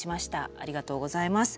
ありがとうございます。